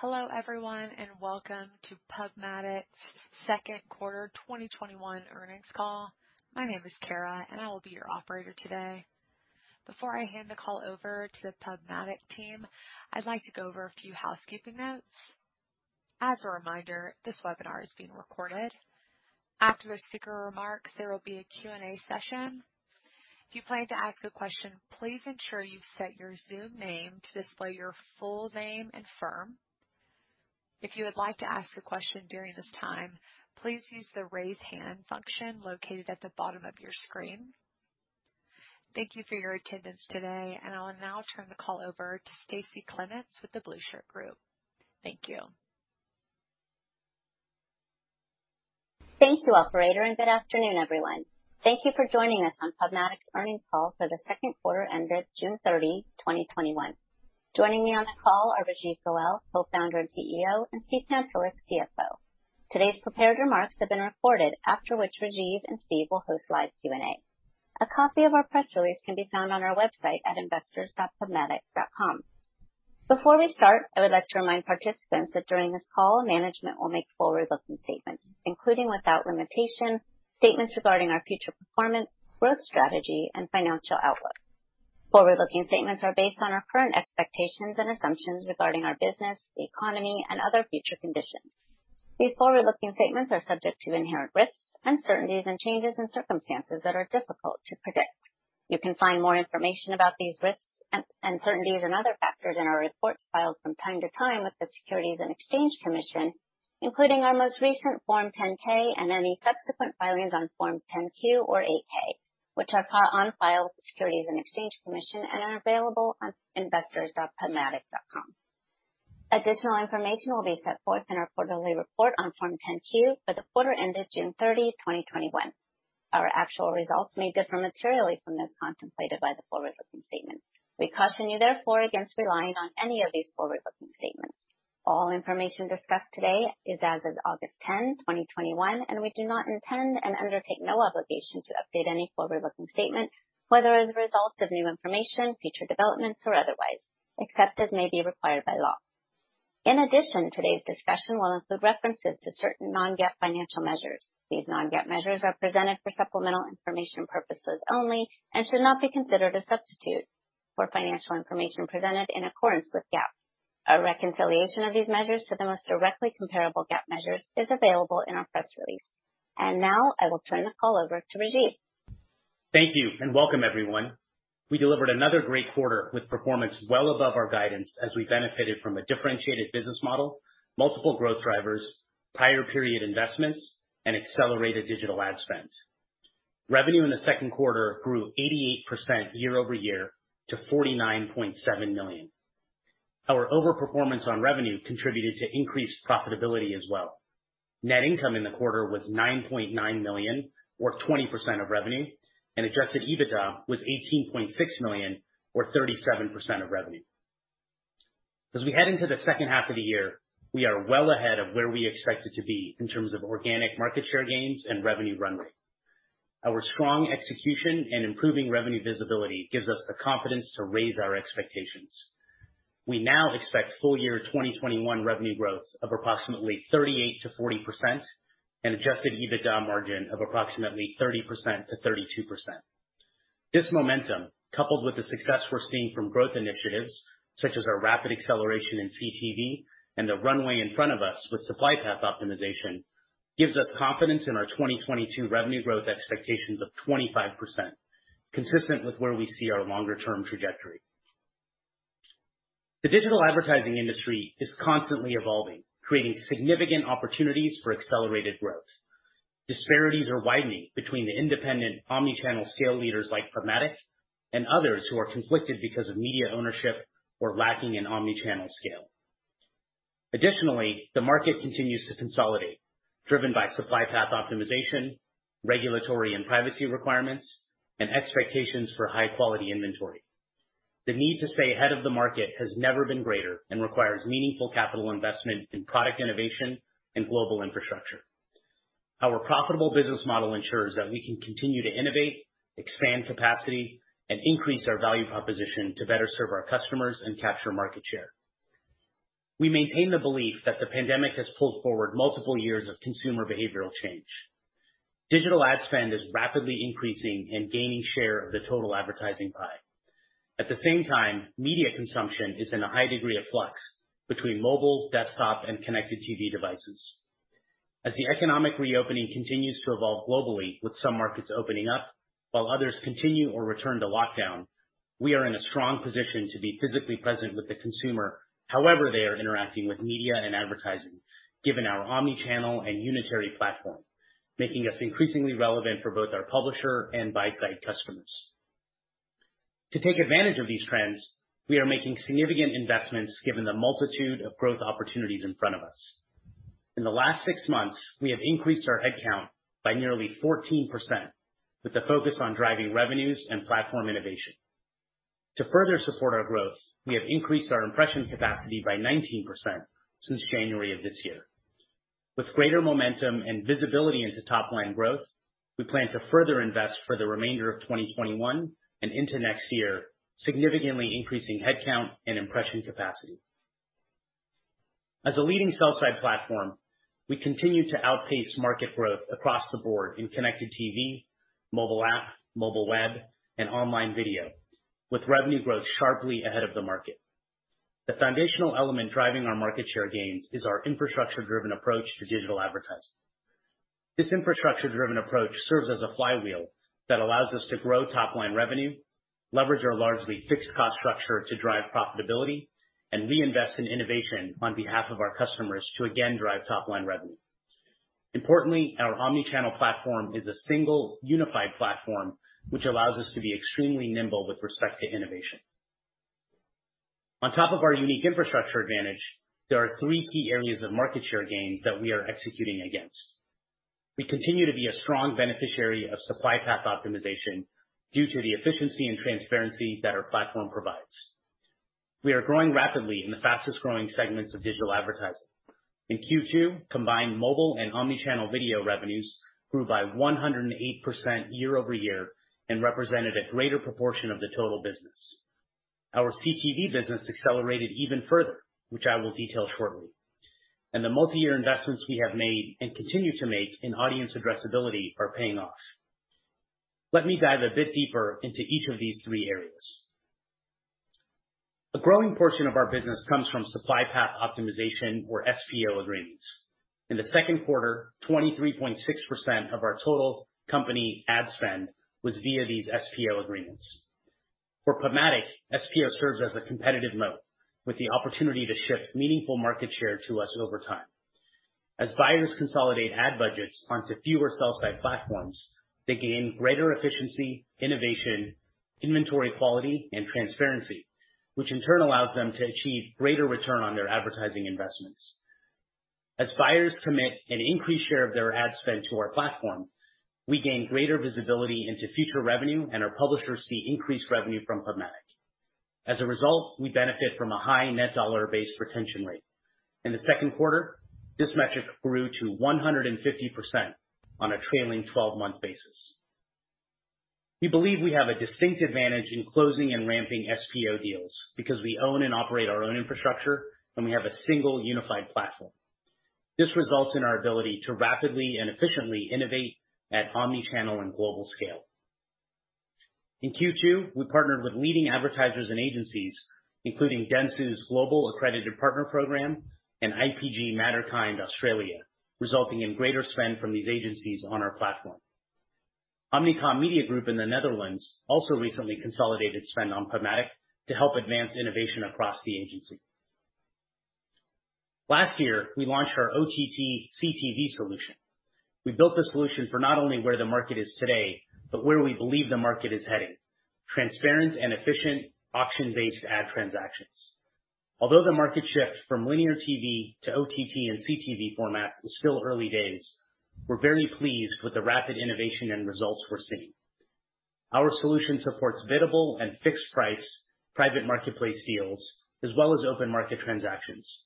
Hello, everyone, and welcome to PubMatic's second quarter 2021 earnings call. My name is Kara, and I will be your operator today. Before I hand the call over to the PubMatic team, I'd like to go over a few housekeeping notes. As a reminder, this webinar is being recorded. After the speaker remarks, there will be a Q&A session. If you plan to ask a question, please ensure you've set your Zoom name to display your full name and firm. If you would like to ask a question during this time, please use the Raise Hand function located at the bottom of your screen. Thank you for your attendance today, and I will now turn the call over to Stacie Clements with The Blueshirt Group. Thank you. Thank you, operator. Good afternoon, everyone. Thank you for joining us on PubMatic's earnings call for the second quarter ended June 30, 2021. Joining me on the call are Rajeev Goel, Co-Founder and CEO, and Steve Pantelick, CFO. Today's prepared remarks have been recorded, after which Rajeev and Steve will host live Q&A. A copy of our press release can be found on our website at investors.pubmatic.com. Before we start, I would like to remind participants that during this call, management will make forward-looking statements, including, without limitation, statements regarding our future performance, growth strategy and financial outlook. Forward-looking statements are based on our current expectations and assumptions regarding our business, the economy and other future conditions. These forward-looking statements are subject to inherent risks, uncertainties, and changes in circumstances that are difficult to predict. You can find more information about these risks, uncertainties, and other factors in our reports filed from time to time with the Securities and Exchange Commission, including our most recent Form 10-K and any subsequent filings on Forms 10-Q or 8-K, which are on file with the Securities and Exchange Commission and are available on investors.pubmatic.com. Additional information will be set forth in our quarterly report on Form 10-Q for the quarter ended June 30, 2021. Our actual results may differ materially from those contemplated by the forward-looking statements. We caution you therefore against relying on any of these forward-looking statements. All information discussed today is as of August 10, 2021, and we do not intend and undertake no obligation to update any forward-looking statement, whether as a result of new information, future developments, or otherwise, except as may be required by law. In addition, today's discussion will include references to certain non-GAAP financial measures. These non-GAAP measures are presented for supplemental information purposes only and should not be considered a substitute for financial information presented in accordance with GAAP. A reconciliation of these measures to the most directly comparable GAAP measures is available in our press release. Now I will turn the call over to Rajeev. Thank you, and welcome, everyone. We delivered another great quarter with performance well above our guidance as we benefited from a differentiated business model, multiple growth drivers, prior period investments, and accelerated digital ad spend. Revenue in the second quarter grew 88% year-over-year to $49.7 million. Our overperformance on revenue contributed to increased profitability as well. Net income in the quarter was $9.9 million, or 20% of revenue, and adjusted EBITDA was $18.6 million, or 37% of revenue. As we head into the second half of the year, we are well ahead of where we expected to be in terms of organic market share gains and revenue runway. Our strong execution and improving revenue visibility gives us the confidence to raise our expectations. We now expect full year 2021 revenue growth of approximately 38% to 40% and adjusted EBITDA margin of approximately 30% to 32%. This momentum, coupled with the success we're seeing from growth initiatives such as our rapid acceleration in CTV and the runway in front of us with supply path optimization, gives us confidence in our 2022 revenue growth expectations of 25%, consistent with where we see our longer term trajectory. The digital advertising industry is constantly evolving, creating significant opportunities for accelerated growth. Disparities are widening between the independent omni-channel scale leaders like PubMatic and others who are conflicted because of media ownership or lacking in omni-channel scale. Additionally, the market continues to consolidate, driven by supply path optimization, regulatory and privacy requirements, and expectations for high-quality inventory. The need to stay ahead of the market has never been greater and requires meaningful capital investment in product innovation and global infrastructure. Our profitable business model ensures that we can continue to innovate, expand capacity, and increase our value proposition to better serve our customers and capture market share. We maintain the belief that the pandemic has pulled forward multiple years of consumer behavioral change. Digital ad spend is rapidly increasing and gaining share of the total advertising pie. At the same time, media consumption is in a high degree of flux between mobile, desktop and connected TV devices. As the economic reopening continues to evolve globally, with some markets opening up while others continue or return to lockdown, we are in a strong position to be physically present with the consumer however they are interacting with media and advertising, given our omni-channel and unitary platform, making us increasingly relevant for both our publisher and buy-side customers. To take advantage of these trends, we are making significant investments given the multitude of growth opportunities in front of us. In the last six months, we have increased our headcount by nearly 14%, with a focus on driving revenues and platform innovation. To further support our growth, we have increased our impression capacity by 19% since January of this year. With greater momentum and visibility into top-line growth, we plan to further invest for the remainder of 2021 and into next year, significantly increasing headcount and impression capacity. As a leading sell-side platform, we continue to outpace market growth across the board in connected TV, mobile app, mobile web, and online video, with revenue growth sharply ahead of the market. The foundational element driving our market share gains is our infrastructure-driven approach to digital advertising. This infrastructure-driven approach serves as a flywheel that allows us to grow top-line revenue, leverage our largely fixed cost structure to drive profitability, and reinvest in innovation on behalf of our customers to again drive top-line revenue. Importantly, our omni-channel platform is a single unified platform, which allows us to be extremely nimble with respect to innovation. On top of our unique infrastructure advantage, there are three key areas of market share gains that we are executing against. We continue to be a strong beneficiary of supply path optimization due to the efficiency and transparency that our platform provides. We are growing rapidly in the fastest-growing segments of digital advertising. In Q2, combined mobile and omni-channel video revenues grew by 108% year-over-year and represented a greater proportion of the total business. Our CTV business accelerated even further, which I will detail shortly. The multi-year investments we have made and continue to make in audience addressability are paying off. Let me dive a bit deeper into each of these three areas. A growing portion of our business comes from supply path optimization or SPO agreements. In the second quarter, 23.6% of our total company ad spend was via these SPO agreements. For PubMatic, SPO serves as a competitive moat with the opportunity to shift meaningful market share to us over time. As buyers consolidate ad budgets onto fewer sell-side platforms, they gain greater efficiency, innovation, inventory quality, and transparency, which in turn allows them to achieve greater return on their advertising investments. As buyers commit an increased share of their ad spend to our platform, we gain greater visibility into future revenue. Our publishers see increased revenue from PubMatic. As a result, we benefit from a high net dollar-based retention rate. In the second quarter, this metric grew to 150% on a trailing 12-month basis. We believe we have a distinct advantage in closing and ramping SPO deals because we own and operate our own infrastructure and we have a single unified platform. This results in our ability to rapidly and efficiently innovate at omni-channel and global scale. In Q2, we partnered with leading advertisers and agencies, including Dentsu's Global Accredited Partner Program and IPG Matterkind Australia, resulting in greater spend from these agencies on our platform. Omnicom Media Group in the Netherlands also recently consolidated spend on PubMatic to help advance innovation across the agency. Last year, we launched our OTT/CTV solution. We built the solution for not only where the market is today, but where we believe the market is heading, transparent and efficient auction-based ad transactions. Although the market shift from linear TV to OTT and CTV formats is still early days, we're very pleased with the rapid innovation and results we're seeing. Our solution supports biddable and fixed price, private marketplace deals, as well as open market transactions,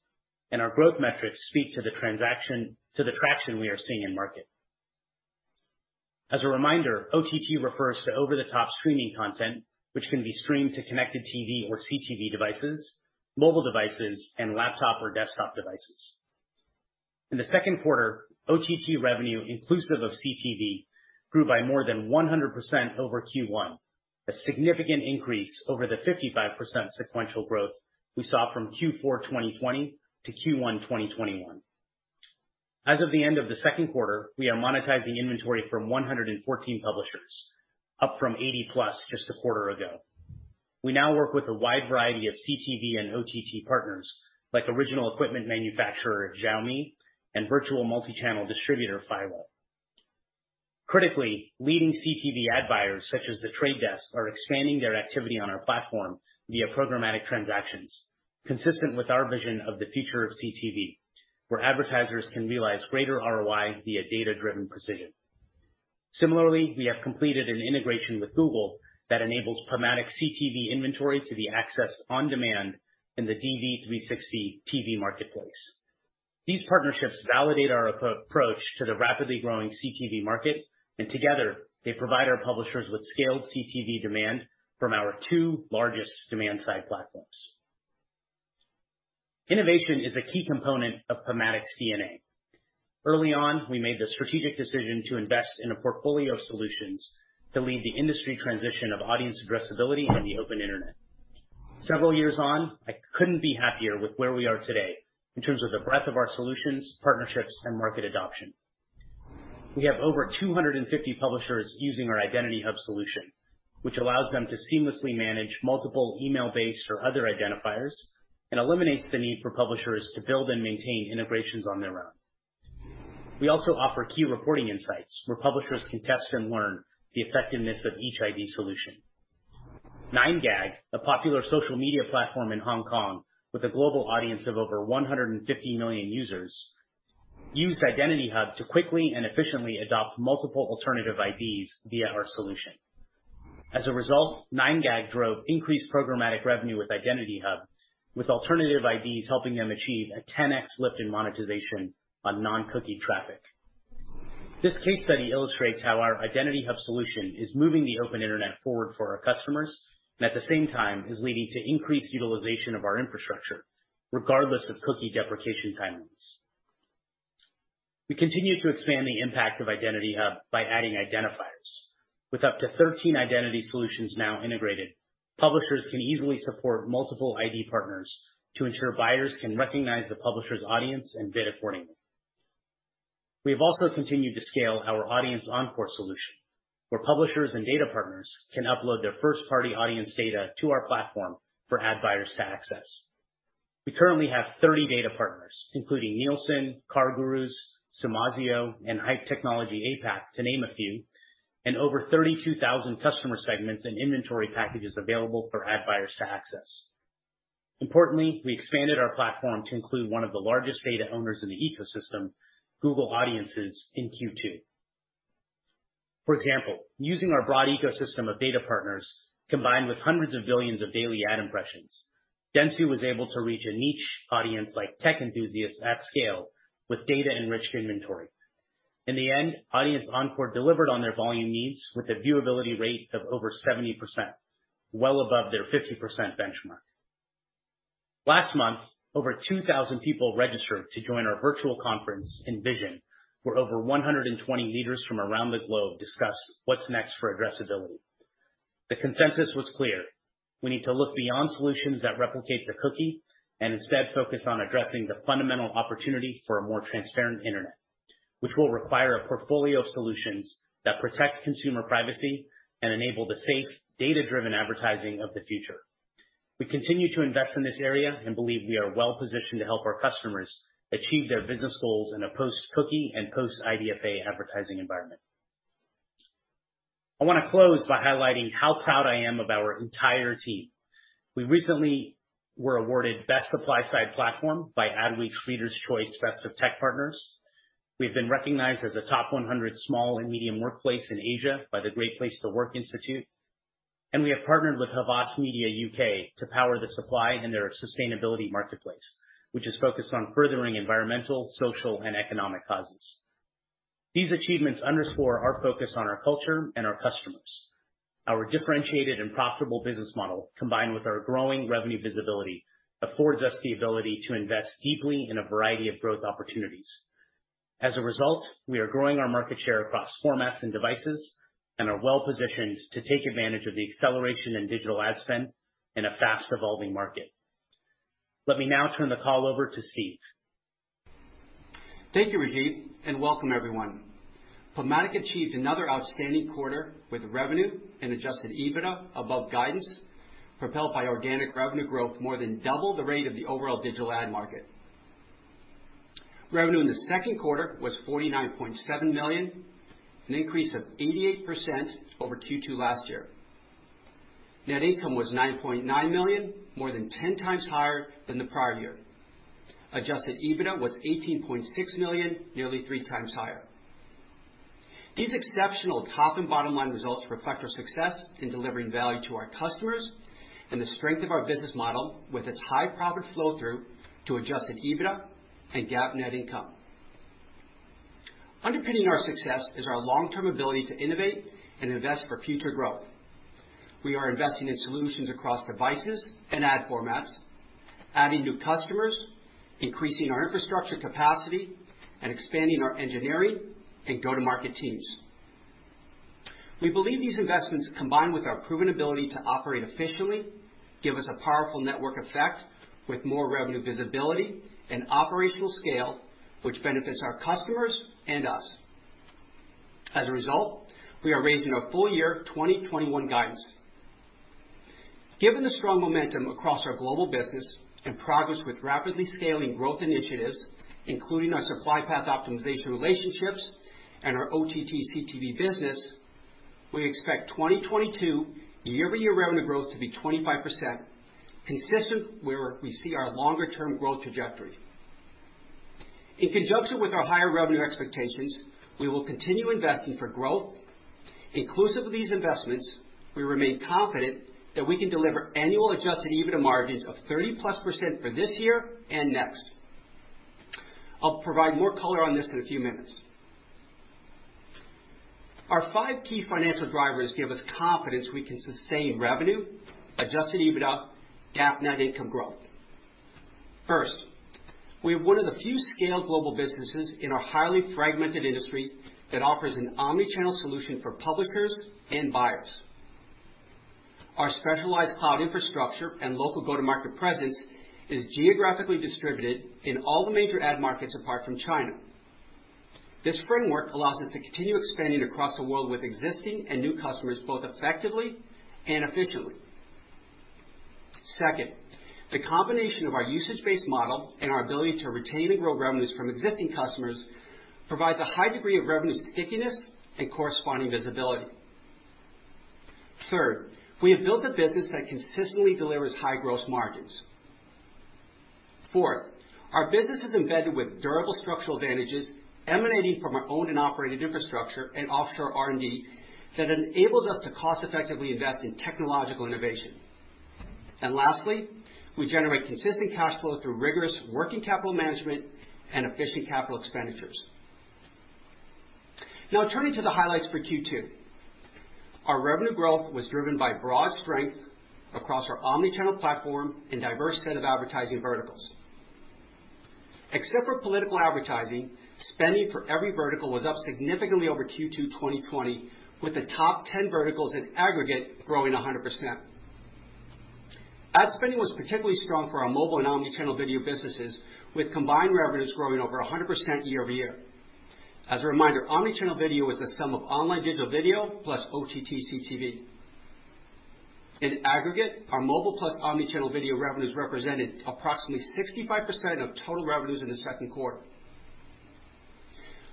and our growth metrics speak to the traction we are seeing in market. As a reminder, OTT refers to over-the-top streaming content, which can be streamed to connected TV or CTV devices, mobile devices, and laptop or desktop devices. In the second quarter, OTT revenue, inclusive of CTV, grew by more than 100% over Q1, a significant increase over the 55% sequential growth we saw from Q4 2020 to Q1 2021. As of the end of the second quarter, we are monetizing inventory from 114 publishers, up from 80+ just a quarter ago. We now work with a wide variety of CTV and OTT partners like original equipment manufacturer Xiaomi and virtual multichannel distributor Philo. Critically, leading CTV ad buyers such as The Trade Desk, are expanding their activity on our platform via programmatic transactions, consistent with our vision of the future of CTV, where advertisers can realize greater ROI via data-driven precision. Similarly, we have completed an integration with Google that enables PubMatic CTV inventory to be accessed on demand in the DV360 TV marketplace. These partnerships validate our approach to the rapidly growing CTV market, and together, they provide our publishers with scaled CTV demand from our two largest demand-side platforms. Innovation is a key component of PubMatic's DNA. Early on, we made the strategic decision to invest in a portfolio of solutions to lead the industry transition of audience addressability and the open internet. Several years on, I couldn't be happier with where we are today in terms of the breadth of our solutions, partnerships, and market adoption. We have over 250 publishers using our Identity Hub solution, which allows them to seamlessly manage multiple email-based or other identifiers and eliminates the need for publishers to build and maintain integrations on their own. We also offer key reporting insights where publishers can test and learn the effectiveness of each ID solution. 9GAG, the popular social media platform in Hong Kong with a global audience of over 150 million users, used Identity Hub to quickly and efficiently adopt multiple alternative IDs via our solution. As a result, 9GAG drove increased programmatic revenue with Identity Hub, with alternative IDs helping them achieve a 10x lift in monetization on non-cookie traffic. This case study illustrates how our Identity Hub solution is moving the open internet forward for our customers, and at the same time is leading to increased utilization of our infrastructure regardless of cookie deprecation timelines. We continue to expand the impact of Identity Hub by adding identifiers. With up to 13 identity solutions now integrated, publishers can easily support multiple ID partners to ensure buyers can recognize the publisher's audience and bid accordingly. We have also continued to scale our Audience Encore solution, where publishers and data partners can upload their first-party audience data to our platform for ad buyers to access. We currently have 30 data partners, including Nielsen, CarGurus, Semasio, and HYPE technology APAC to name a few, and over 32,000 customer segments and inventory packages available for ad buyers to access. Importantly, we expanded our platform to include one of the largest data owners in the ecosystem, Google Audiences, in Q2. For example, using our broad ecosystem of data partners, combined with hundreds of billions of daily ad impressions, Dentsu was able to reach a niche audience like tech enthusiasts at scale with data-enriched inventory. In the end, Audience Encore delivered on their volume needs with a viewability rate of over 70%, well above their 50% benchmark. Last month, over 2,000 people registered to join our virtual conference, Envision, where over 120 leaders from around the globe discussed what's next for addressability. The consensus was clear. We need to look beyond solutions that replicate the cookie. Instead focus on addressing the fundamental opportunity for a more transparent internet, which will require a portfolio of solutions that protect consumer privacy and enable the safe, data-driven advertising of the future. I want to close by highlighting how proud I am of our entire team. We recently were awarded Best Supply Side Platform by Adweek's Readers' Choice Best of Tech Partners. We've been recognized as a Top 100 Small and Medium Workplace in Asia by the Great Place To Work Institute, and we have partnered with Havas Media UK to power the supply in their sustainability marketplace, which is focused on furthering environmental, social, and economic causes. These achievements underscore our focus on our culture and our customers. Our differentiated and profitable business model, combined with our growing revenue visibility, affords us the ability to invest deeply in a variety of growth opportunities. As a result, we are growing our market share across formats and devices and are well-positioned to take advantage of the acceleration in digital ad spend in a fast-evolving market. Let me now turn the call over to Steve. Thank you, Rajeev, and welcome everyone. PubMatic achieved another outstanding quarter with revenue and adjusted EBITDA above guidance, propelled by organic revenue growth more than double the rate of the overall digital ad market. Revenue in the second quarter was $49.7 million, an increase of 88% over Q2 last year. Net income was $9.9 million, more than 10x higher than the prior year. Adjusted EBITDA was $18.6 million, nearly 3x higher. These exceptional top and bottom line results reflect our success in delivering value to our customers and the strength of our business model with its high profit flow-through to adjusted EBITDA and GAAP net income. Underpinning our success is our long-term ability to innovate and invest for future growth. We are investing in solutions across devices and ad formats, adding new customers, increasing our infrastructure capacity, and expanding our engineering and go-to-market teams. We believe these investments, combined with our proven ability to operate efficiently, give us a powerful network effect with more revenue visibility and operational scale, which benefits our customers and us. As a result, we are raising our full year 2021 guidance. Given the strong momentum across our global business and progress with rapidly scaling growth initiatives, including our supply path optimization relationships and our OTT/CTV business, we expect 2022 year-over-year revenue growth to be 25%, consistent where we see our longer-term growth trajectory. In conjunction with our higher revenue expectations, we will continue investing for growth. Inclusive of these investments, we remain confident that we can deliver annual adjusted EBITDA margins of 30-plus % for this year and next. I'll provide more color on this in a few minutes. Our five key financial drivers give us confidence we can sustain revenue, adjusted EBITDA, GAAP net income growth. First, we are one of the few scaled global businesses in our highly fragmented industry that offers an omni-channel solution for publishers and buyers. Our specialized cloud infrastructure and local go-to-market presence is geographically distributed in all the major ad markets apart from China. This framework allows us to continue expanding across the world with existing and new customers, both effectively and efficiently. Second, the combination of our usage-based model and our ability to retain and grow revenues from existing customers provides a high degree of revenue stickiness and corresponding visibility. Third, we have built a business that consistently delivers high gross margins. Fourth, our business is embedded with durable structural advantages emanating from our owned and operated infrastructure and offshore R&D that enables us to cost effectively invest in technological innovation. Lastly, we generate consistent cash flow through rigorous working capital management and efficient capital expenditures. Now turning to the highlights for Q2. Our revenue growth was driven by broad strength across our omni-channel platform and diverse set of advertising verticals. Except for political advertising, spending for every vertical was up significantly over Q2 2020, with the top 10 verticals in aggregate growing 100%. Ad spending was particularly strong for our mobile and omni-channel video businesses, with combined revenues growing over 100% year-over-year. As a reminder, omni-channel video is the sum of online digital video plus OTT/CTV. In aggregate, our mobile plus omni-channel video revenues represented approximately 65% of total revenues in the second quarter.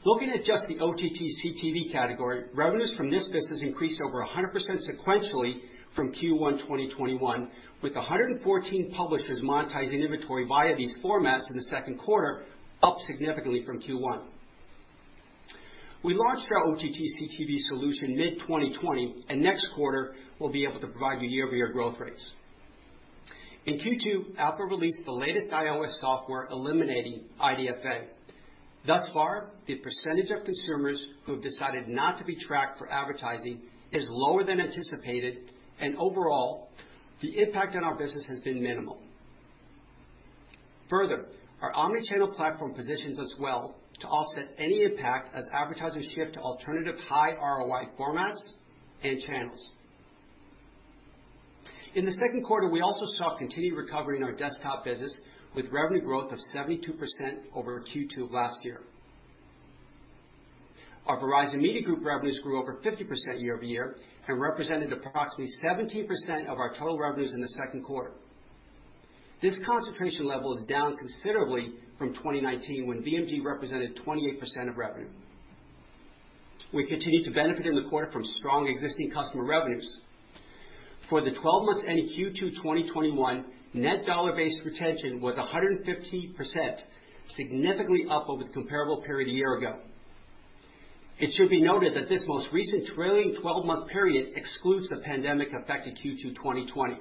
Looking at just the OTT/CTV category, revenues from this business increased over 100% sequentially from Q1 2021, with 114 publishers monetizing inventory via these formats in the second quarter, up significantly from Q1. We launched our OTT/CTV solution mid-2020, and next quarter we'll be able to provide you year-over-year growth rates. In Q2, Apple released the latest iOS software eliminating IDFA. Thus far, the % of consumers who have decided not to be tracked for advertising is lower than anticipated, and overall, the impact on our business has been minimal. Further, our omni-channel platform positions us well to offset any impact as advertisers shift to alternative high ROI formats and channels. In the second quarter, we also saw continued recovery in our desktop business, with revenue growth of 72% over Q2 of last year. Our Verizon Media Group revenues grew over 50% year-over-year and represented approximately 17% of our total revenues in the second quarter. This concentration level is down considerably from 2019, when VMG represented 28% of revenue. We continued to benefit in the quarter from strong existing customer revenues. For the 12 months ending Q2 2021, net dollar-based retention was 150%, significantly up over the comparable period a year ago. It should be noted that this most recent trailing 12-month period excludes the pandemic-affected Q2 2020.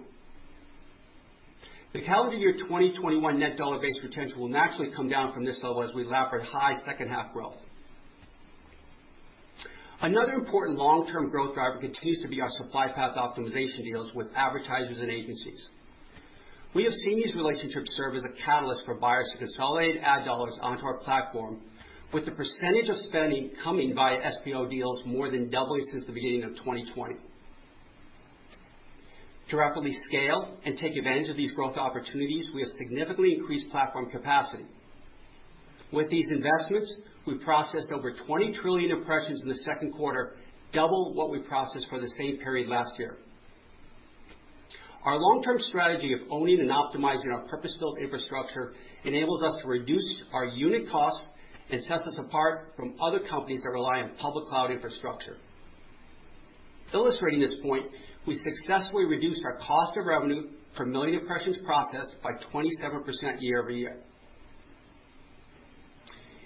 The calendar year 2021 net dollar-based retention will naturally come down from this level as we lap our high second half growth. Another important long-term growth driver continues to be our supply path optimization deals with advertisers and agencies. We have seen these relationships serve as a catalyst for buyers to consolidate ad dollars onto our platform, with the percentage of spending coming via SPO deals more than doubling since the beginning of 2020. To rapidly scale and take advantage of these growth opportunities, we have significantly increased platform capacity. With these investments, we processed over 20 trillion impressions in the second quarter, double what we processed for the same period last year. Our long-term strategy of owning and optimizing our purpose-built infrastructure enables us to reduce our unit cost and sets us apart from other companies that rely on public cloud infrastructure. Illustrating this point, we successfully reduced our cost of revenue per million impressions processed by 27% year-over-year.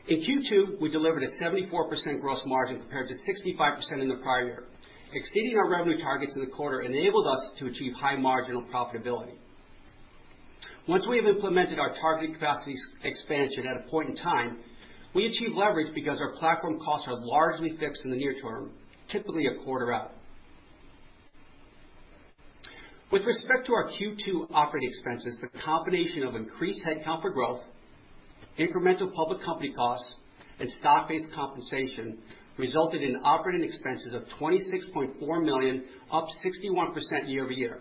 In Q2, we delivered a 74% gross margin compared to 65% in the prior year. Exceeding our revenue targets in the quarter enabled us to achieve high marginal profitability. Once we have implemented our targeted capacities expansion at a point in time, we achieve leverage because our platform costs are largely fixed in the near term, typically a quarter out. With respect to our Q2 operating expenses, the combination of increased head count for growth, incremental public company costs, and stock-based compensation resulted in operating expenses of $26.4 million, up 61% year-over-year.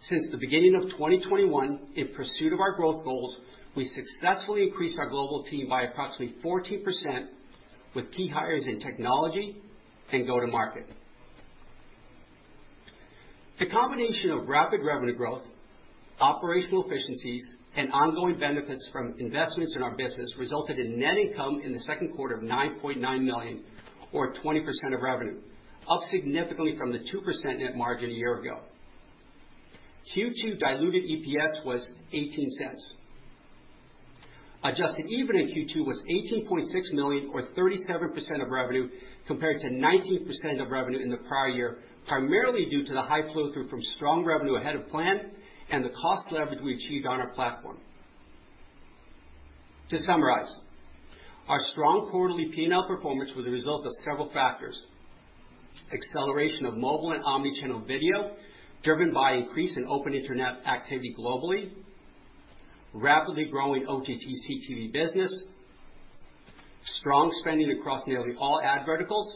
Since the beginning of 2021, in pursuit of our growth goals, we successfully increased our global team by approximately 14%, with key hires in technology and go-to-market. The combination of rapid revenue growth, operational efficiencies, and ongoing benefits from investments in our business resulted in net income in the second quarter of $9.9 million or 20% of revenue, up significantly from the 2% net margin a year ago. Q2 diluted EPS was $0.18. Adjusted EBITDA in Q2 was $18.6 million or 37% of revenue, compared to 19% of revenue in the prior year, primarily due to the high flow-through from strong revenue ahead of plan and the cost leverage we achieved on our platform. To summarize, our strong quarterly P&L performance was a result of several factors: acceleration of mobile and omni-channel video driven by increase in open internet activity globally, rapidly growing OTT/CTV business, strong spending across nearly all ad verticals,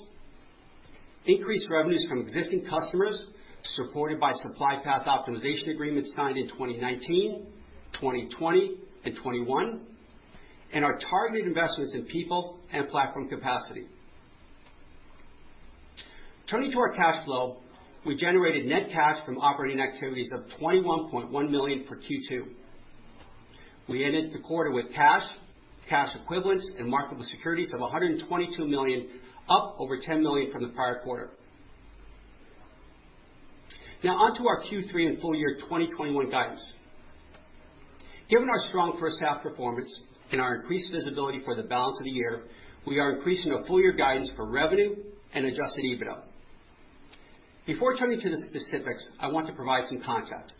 increased revenues from existing customers supported by supply path optimization agreements signed in 2019, 2020, and 2021, and our targeted investments in people and platform capacity. Turning to our cash flow, we generated net cash from operating activities of $21.1 million for Q2. We ended the quarter with cash equivalents, and marketable securities of $122 million, up over $10 million from the prior quarter. Now onto our Q3 and full year 2021 guidance. Given our strong first half performance and our increased visibility for the balance of the year, we are increasing our full year guidance for revenue and adjusted EBITDA. Before turning to the specifics, I want to provide some context.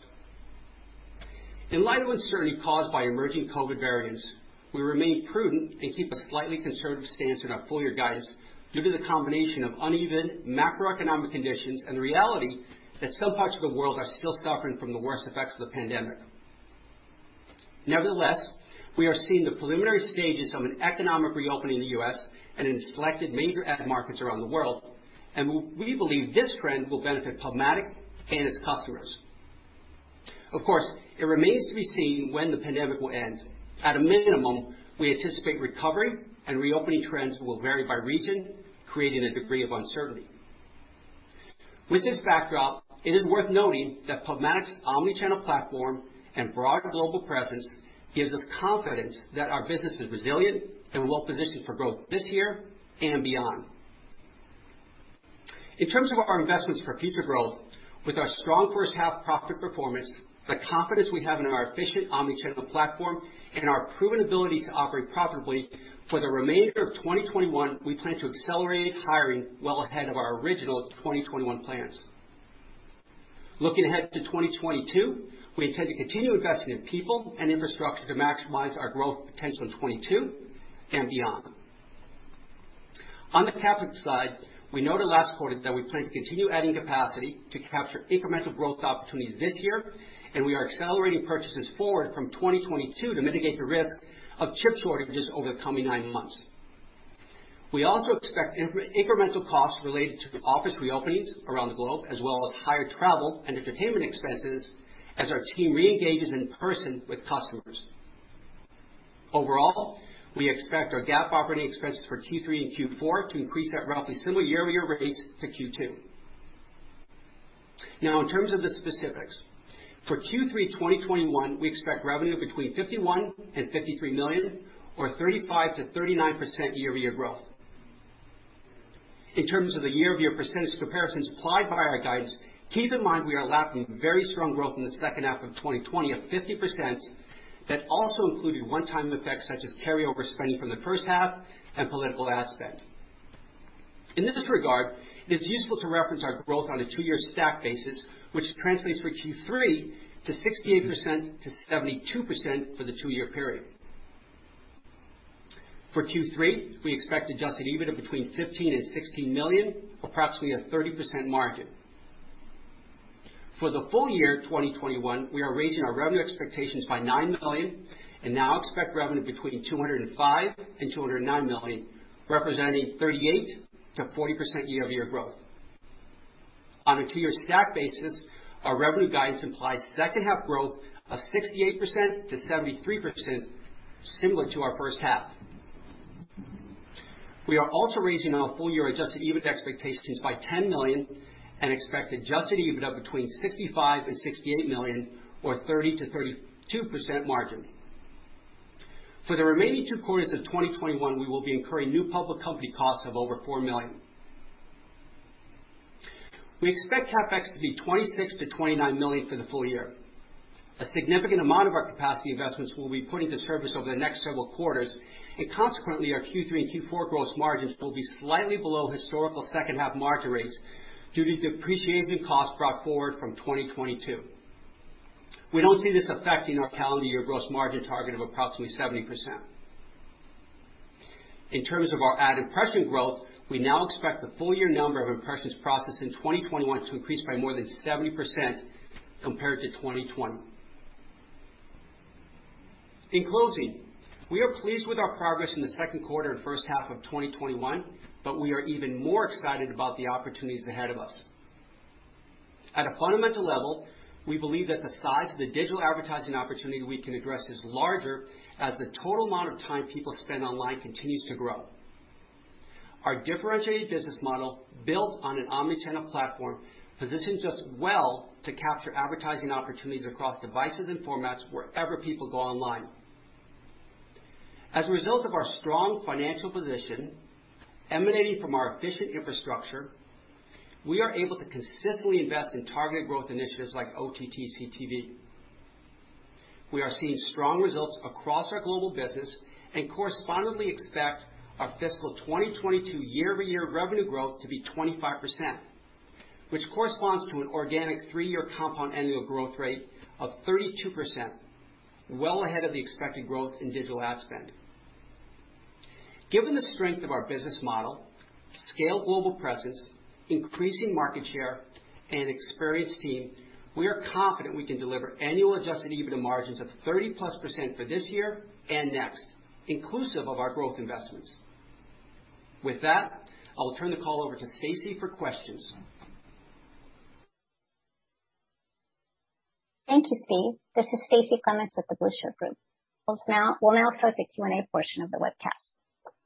In light of uncertainty caused by emerging COVID variants, we remain prudent and keep a slightly conservative stance on our full year guidance due to the combination of uneven macroeconomic conditions and the reality that some parts of the world are still suffering from the worst effects of the pandemic. Nevertheless, we are seeing the preliminary stages of an economic reopening in the U.S. and in selected major ad markets around the world, and we believe this trend will benefit PubMatic and its customers. Of course, it remains to be seen when the pandemic will end. At a minimum, we anticipate recovery and reopening trends will vary by region, creating a degree of uncertainty. With this backdrop, it is worth noting that PubMatic's omni-channel platform and broad global presence gives us confidence that our business is resilient and well-positioned for growth this year and beyond. In terms of our investments for future growth, with our strong first half profit performance, the confidence we have in our efficient omni-channel platform, and our proven ability to operate profitably, for the remainder of 2021, we plan to accelerate hiring well ahead of our original 2021 plans. Looking ahead to 2022, we intend to continue investing in people and infrastructure to maximize our growth potential in 2022 and beyond. On the capital slide, we noted last quarter that we plan to continue adding capacity to capture incremental growth opportunities this year, and we are accelerating purchases forward from 2022 to mitigate the risk of chip shortages over the coming nine months. We also expect incremental costs related to office reopenings around the globe, as well as higher travel and entertainment expenses as our team reengages in person with customers. Overall, we expect our GAAP operating expenses for Q3 and Q4 to increase at roughly similar year-over-year rates to Q2. In terms of the specifics. For Q3 2021, we expect revenue between $51 million and $53 million, or 35% to 39% year-over-year growth. In terms of the year-over-year percentage comparisons implied by our guidance, keep in mind we are lapping very strong growth in the second half of 2020 of 50% that also included one-time effects such as carryover spending from the first half and political ad spend. In this regard, it is useful to reference our growth on a two-year stack basis, which translates for Q3 to 68% to 72% for the two-year period. For Q3, we expect adjusted EBITDA between $15 million and $16 million, or approximately a 30% margin. For the full year 2021, we are raising our revenue expectations by $9 million and now expect revenue between $205 million and $209 million, representing 38% to 40% year-over-year growth. On a two-year stack basis, our revenue guidance implies second half growth of 68% to 73%, similar to our first half. We are also raising our full year adjusted EBITDA expectations by $10 million and expect adjusted EBITDA between $65 million and $68 million or 30% to 32% margin. For the remaining two quarters of 2021, we will be incurring new public company costs of over $4 million. We expect CapEx to be $26 to 29 million for the full year. A significant amount of our capacity investments will be put into service over the next several quarters, and consequently, our Q3 and Q4 gross margins will be slightly below historical second half margin rates due to depreciation costs brought forward from 2022. We don't see this affecting our calendar year gross margin target of approximately 70%. In terms of our ad impression growth, we now expect the full year number of impressions processed in 2021 to increase by more than 70% compared to 2020. In closing, we are pleased with our progress in the second quarter and first half of 2021, but we are even more excited about the opportunities ahead of us. At a fundamental level, we believe that the size of the digital advertising opportunity we can address is larger as the total amount of time people spend online continues to grow. Our differentiated business model, built on an omni-channel platform, positions us well to capture advertising opportunities across devices and formats wherever people go online. As a result of our strong financial position emanating from our efficient infrastructure, we are able to consistently invest in targeted growth initiatives like OTT/CTV. We are seeing strong results across our global business and correspondingly expect our fiscal 2022 year-over-year revenue growth to be 25%, which corresponds to an organic three-year compound annual growth rate of 32%, well ahead of the expected growth in digital ad spend. Given the strength of our business model, scale global presence, increasing market share, and experienced team, we are confident we can deliver annual adjusted EBITDA margins of 30-plus% for this year and next, inclusive of our growth investments. With that, I will turn the call over to Stacie for questions. Thank you, Steve. This is Stacie Clements with The Blueshirt Group. We will now start the Q&A portion of the webcast.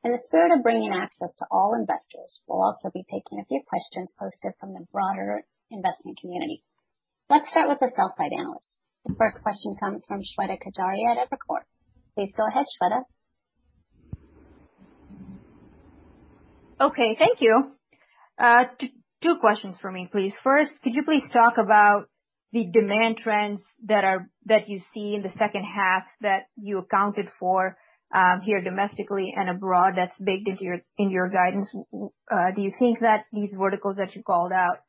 In the spirit of bringing access to all investors, we will also be taking a few questions posted from the broader investing community. Let us start with the sell side analysts. The first question comes from Shweta Khajuria at Evercore. Please go ahead, Shweta. Okay, thank you. two questions for me, please. Could you please talk about the demand trends that you see in the second half that you accounted for, here domestically and abroad that's baked into your guidance. Do you think that these verticals that you called out,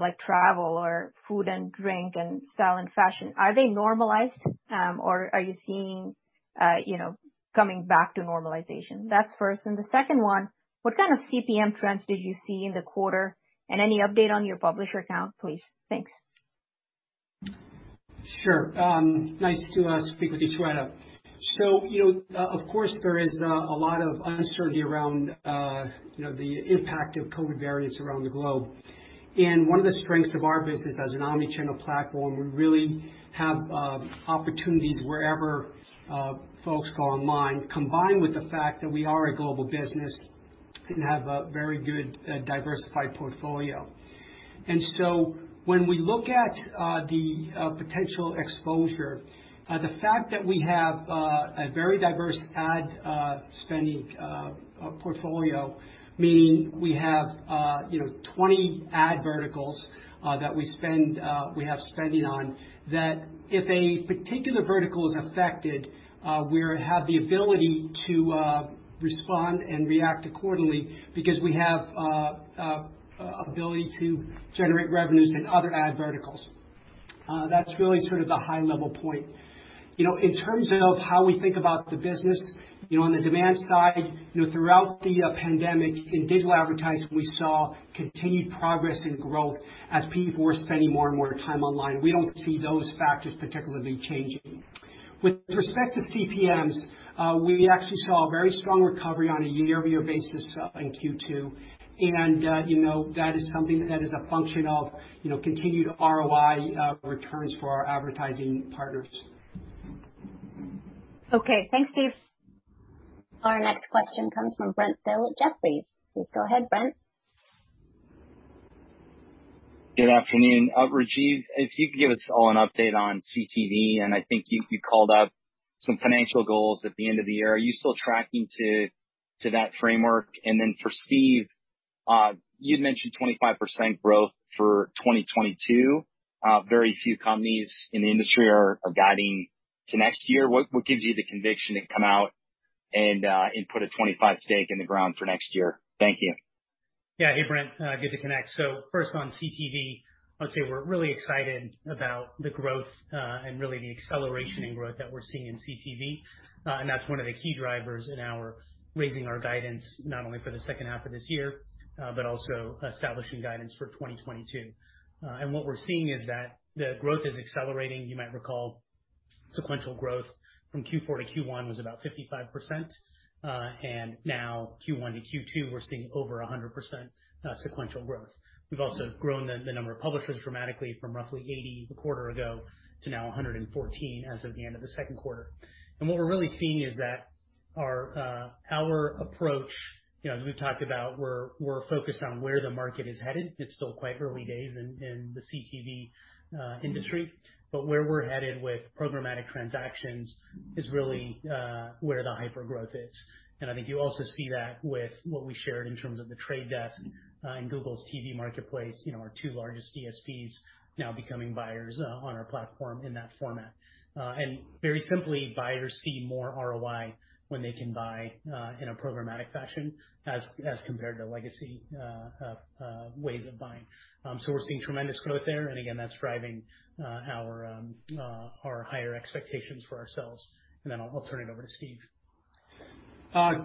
like travel or food and drink and style and fashion, are they normalized? Are you seeing coming back to normalization? That's first. The 2nd one, what kind of CPM trends did you see in the quarter? Any update on your publisher count, please? Thanks. Sure. Nice to speak with you, Shweta. Of course, there is a lot of uncertainty around the impact of COVID variants around the globe. One of the strengths of our business as an omni-channel platform, we really have opportunities wherever folks go online, combined with the fact that we are a global business and have a very good diversified portfolio. When we look at the potential exposure, the fact that we have a very diverse ad spending portfolio, meaning we have 20 ad verticals that we have spending on, that if a particular vertical is affected, we'll have the ability to respond and react accordingly because we have ability to generate revenues in other ad verticals. That's really sort of the high level point. In terms of how we think about the business, on the demand side, throughout the pandemic in digital advertising, we saw continued progress and growth as people were spending more and more time online. We don't see those factors particularly changing. With respect to CPMs, we actually saw a very strong recovery on a year-over-year basis in Q2. That is something that is a function of continued ROI returns for our advertising partners. Okay. Thanks, Steve. Our next question comes from Brent Thill at Jefferies. Please go ahead, Brent. Good afternoon. Rajeev, if you could give us all an update on CTV, and I think you called out some financial goals at the end of the year. Are you still tracking to that framework? For Steve, you'd mentioned 25% growth for 2022. Very few companies in the industry are guiding to next year. What gives you the conviction to come out and put a 25% stake in the ground for next year? Thank you. Yeah. Hey, Brent. Good to connect. First on CTV, I'd say we're really excited about the growth, and really the acceleration in growth that we're seeing in CTV. That's one of the key drivers in our raising our guidance, not only for the second half of this year, but also establishing guidance for 2022. What we're seeing is that the growth is accelerating. You might recall sequential growth from Q4 to Q1 was about 55%, and now Q1 to Q2, we're seeing over 100% sequential growth. We've also grown the number of publishers dramatically from roughly 80 a quarter ago to now 114 as of the end of the second quarter. What we're really seeing is that our approach, as we've talked about, we're focused on where the market is headed. It's still quite early days in the CTV industry. Where we're headed with programmatic transactions is really where the hypergrowth is. I think you also see that with what we shared in terms of The Trade Desk in Google's TV marketplace, our two largest DSPs now becoming buyers on our platform in that format. Very simply, buyers see more ROI when they can buy in a programmatic fashion as compared to legacy ways of buying. We're seeing tremendous growth there, and again, that's driving our higher expectations for ourselves. Then I'll turn it over to Steve.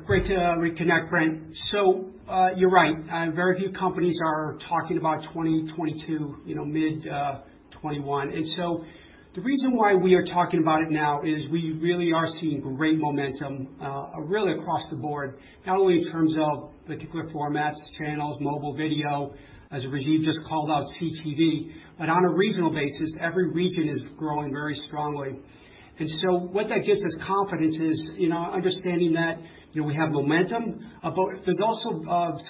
Great to reconnect, Brent. You're right. Very few companies are talking about 2022 mid-2021. The reason why we are talking about it now is we really are seeing great momentum really across the board, not only in terms of particular formats, channels, mobile video, as Rajeev just called out, CTV, but on a regional basis, every region is growing very strongly. What that gives us confidence is in our understanding that we have momentum. There's also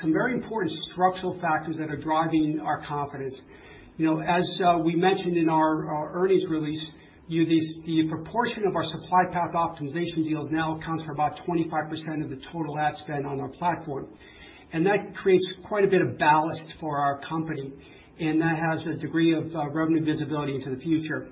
some very important structural factors that are driving our confidence. As we mentioned in our earnings release, the proportion of our supply path optimization deals now accounts for about 25% of the total ad spend on our platform. That creates quite a bit of ballast for our company, and that has a degree of revenue visibility into the future.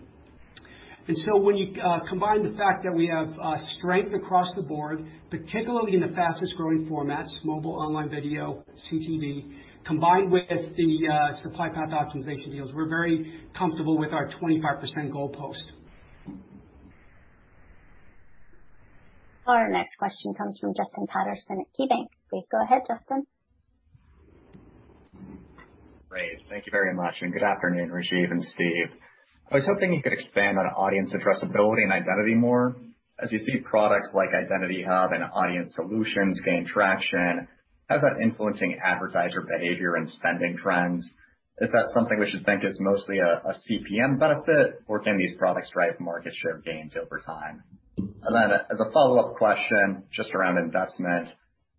When you combine the fact that we have strength across the board, particularly in the fastest-growing formats, mobile, online video, CTV, combined with the supply path optimization deals, we're very comfortable with our 25% goal post. Our next question comes from Justin Patterson at KeyBanc. Please go ahead, Justin. Great. Thank you very much, and good afternoon, Rajeev and Steve. I was hoping you could expand on audience addressability and identity more. As you see products like Identity Hub and Audience Solutions gain traction, how's that influencing advertiser behavior and spending trends? Is that something we should think is mostly a CPM benefit, or can these products drive market share gains over time? As a follow-up question, just around investment,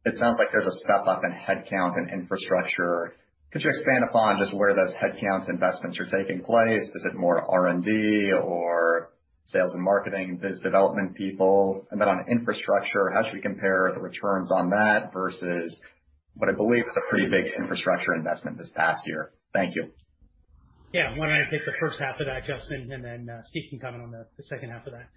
it sounds like there's a step up in headcount and infrastructure. Could you expand upon just where those headcounts investments are taking place? Is it more R&D or Sales and marketing, business development people, and then on infrastructure, how should we compare the returns on that versus what I believe is a pretty big infrastructure investment this past year? Thank you. Yeah. Why don't I take the first half of that, Justin, and then Steve can comment on the second half of that.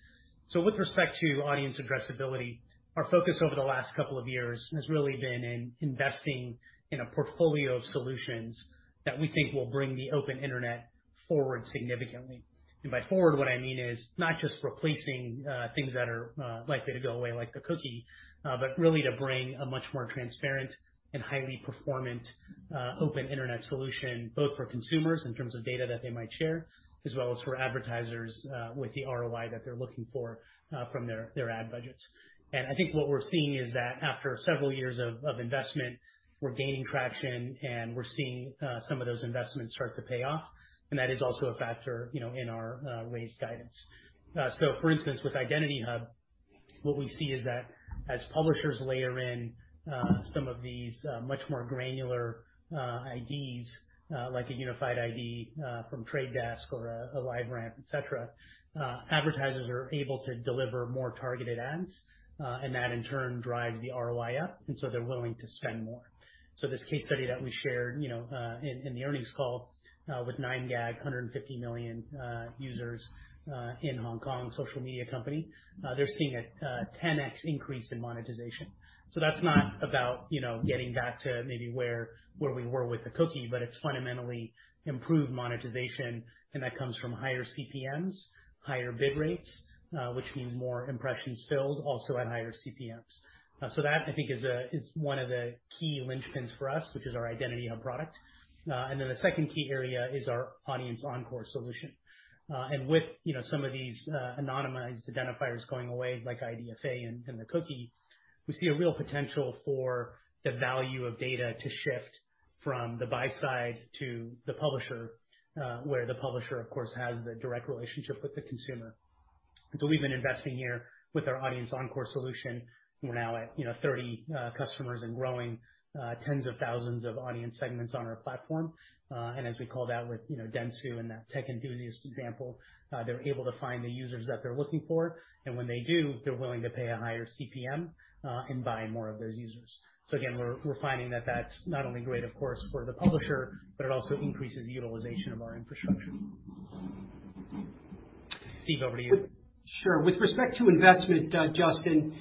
With respect to audience addressability, our focus over the last two years has really been in investing in a portfolio of solutions that we think will bring the open internet forward significantly. By forward, what I mean is not just replacing things that are likely to go away, like the cookie, but really to bring a much more transparent and highly performant open internet solution, both for consumers in terms of data that they might share, as well as for advertisers with the ROI that they're looking for from their ad budgets. I think what we're seeing is that after several years of investment, we're gaining traction, and we're seeing some of those investments start to pay off, and that is also a factor in our raised guidance. For instance, with Identity Hub, what we see is that as publishers layer in some of these much more granular IDs, like a Unified ID from The Trade Desk or a LiveRamp, et cetera, advertisers are able to deliver more targeted ads, and that in turn drives the ROI up, and so they're willing to spend more. This case study that we shared in the earnings call with 9GAG, 150 million users in Hong Kong social media company, they're seeing a 10x increase in monetization. That's not about getting back to maybe where we were with the cookie, but it's fundamentally improved monetization, and that comes from higher CPMs, higher bid rates, which means more impressions filled also at higher CPMs. That, I think, is one of the key linchpins for us, which is our Identity Hub product. Then the second key area is our Audience Encore solution. With some of these anonymized identifiers going away, like IDFA and the cookie, we see a real potential for the value of data to shift from the buy side to the publisher, where the publisher, of course, has the direct relationship with the consumer. We've been investing here with our Audience Encore solution. We're now at 30 customers and growing tens of thousands of audience segments on our platform. As we called out with Dentsu and that tech enthusiast example, they're able to find the users that they're looking for, and when they do, they're willing to pay a higher CPM, and buy more of those users. Again, we're finding that that's not only great, of course, for the publisher, but it also increases utilization of our infrastructure. Steve, over to you. Sure. With respect to investment, Justin,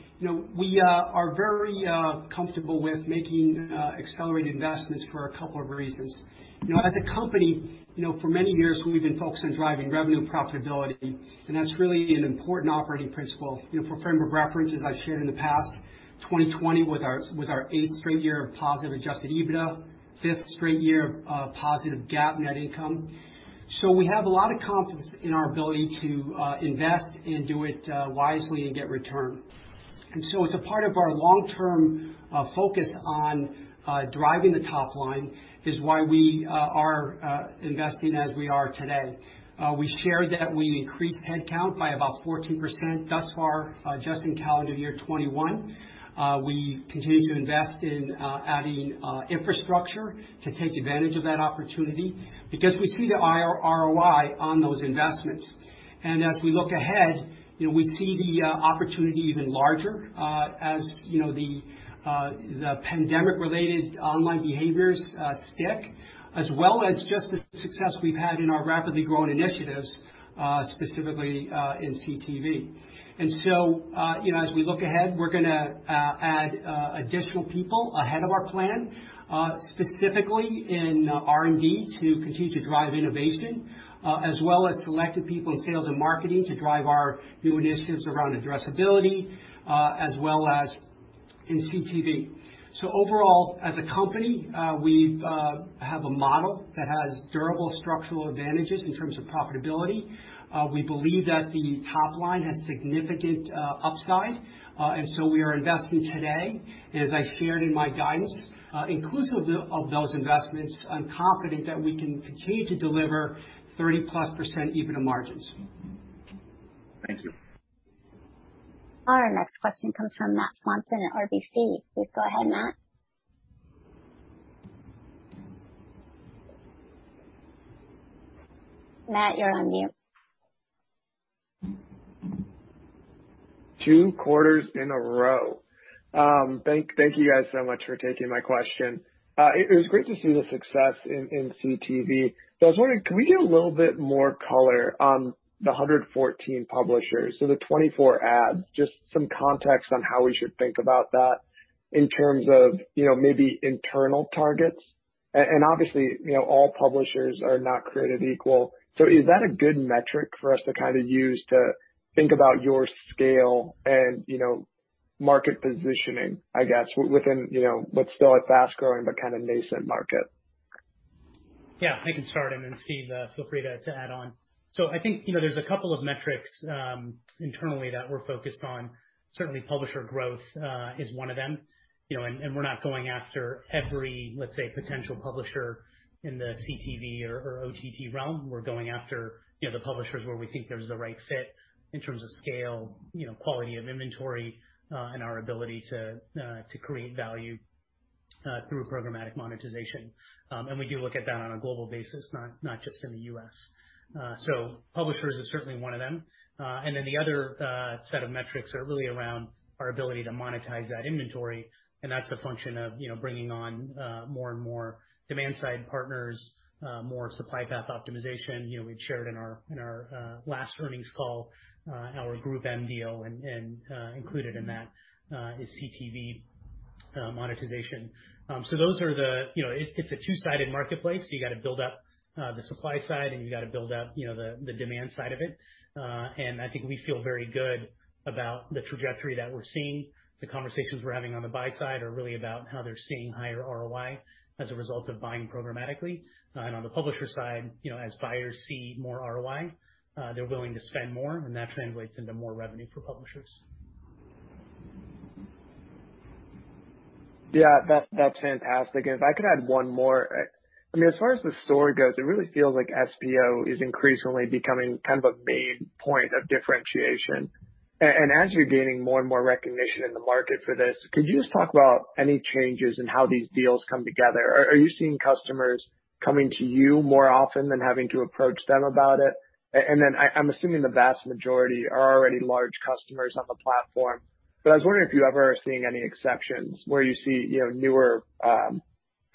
we are very comfortable with making accelerated investments for a couple of reasons. As a company, for many years, we've been focused on driving revenue profitability, and that's really an important operating principle. For frame of reference, as I've shared in the past, 2020 was our eighth straight year of positive adjusted EBITDA, fifth straight year of positive GAAP net income. We have a lot of confidence in our ability to invest and do it wisely and get return. It's a part of our long-term focus on driving the top line is why we are investing as we are today. We shared that we increased head count by about 14% thus far just in calendar year 2021. We continue to invest in adding infrastructure to take advantage of that opportunity because we see the ROI on those investments. As we look ahead, we see the opportunity even larger, as the pandemic-related online behaviors stick, as well as just the success we've had in our rapidly growing initiatives, specifically, in CTV. As we look ahead, we're going to add additional people ahead of our plan, specifically in R&D, to continue to drive innovation, as well as selected people in sales and marketing to drive our new initiatives around addressability, as well as in CTV. Overall, as a company, we have a model that has durable structural advantages in terms of profitability. We believe that the top line has significant upside, and so we are investing today. As I shared in my guidance, inclusive of those investments, I'm confident that we can continue to deliver 30-plus % EBITDA margins. Thank you. Our next question comes from Matt Swanson at RBC. Please go ahead, Matt. Matt, you're on mute. Two quarters in a row. Thank you guys so much for taking my question. It was great to see the success in CTV. I was wondering, can we get a little bit more color on the 114 publishers? The 24 ads, just some context on how we should think about that in terms of maybe internal targets. Obviously, all publishers are not created equal. Is that a good metric for us to use to think about your scale and market positioning, I guess, within what's still a fast-growing but kind of nascent market? Yeah, I can start, then Steve, feel free to add on. I think there's a couple of metrics internally that we're focused on. Certainly, publisher growth is one of them. We're not going after every, let's say, potential publisher in the CTV or OTT realm. We're going after the publishers where we think there's the right fit in terms of scale, quality of inventory, and our ability to create value through programmatic monetization. We do look at that on a global basis, not just in the U.S. Publishers is certainly one of them. The other set of metrics are really around our ability to monetize that inventory, and that's a function of bringing on more and more demand-side partners, more supply path optimization. We'd shared in our last earnings call, our GroupM deal and included in that is CTV monetization. It's a two-sided marketplace, so you've got to build up the supply side, and you've got to build out the demand side of it. I think we feel very good about the trajectory that we're seeing. The conversations we're having on the buy side are really about how they're seeing higher ROI as a result of buying programmatically. On the publisher side, as buyers see more ROI, they're willing to spend more, and that translates into more revenue for publishers. Yeah, that's fantastic. If I could add one more. As far as the story goes, it really feels like SPO is increasingly becoming kind of a main point of differentiation. As you're gaining more and more recognition in the market for this, could you just talk about any changes in how these deals come together? Are you seeing customers coming to you more often than having to approach them about it? Then I'm assuming the vast majority are already large customers on the platform, but I was wondering if you ever are seeing any exceptions where you see newer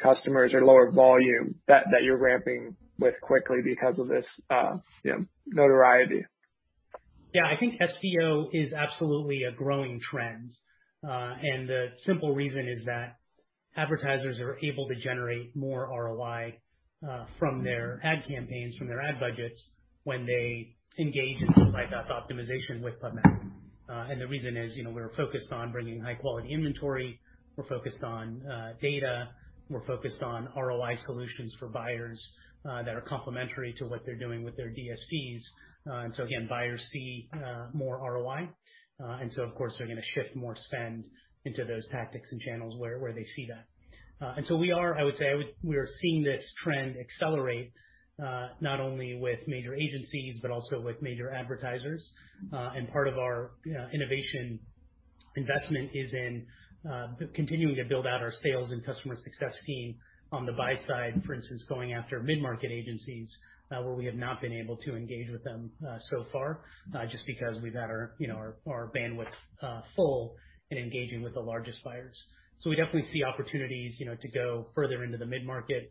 customers or lower volume that you're ramping with quickly because of this notoriety. Yeah, I think SPO is absolutely a growing trend. The simple reason is that advertisers are able to generate more ROI from their ad campaigns, from their ad budgets when they engage in supply path optimization with PubMatic. The reason is, we're focused on bringing high-quality inventory, we're focused on data, we're focused on ROI solutions for buyers that are complementary to what they're doing with their DSPs. Again, buyers see more ROI. Of course, they're going to shift more spend into those tactics and channels where they see that. We are, I would say, we are seeing this trend accelerate, not only with major agencies but also with major advertisers. Part of our innovation investment is in continuing to build out our sales and customer success team on the buy side, for instance, going after mid-market agencies, where we have not been able to engage with them so far, just because we've had our bandwidth full in engaging with the largest buyers. We definitely see opportunities to go further into the mid-market,